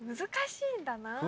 難しいんだな。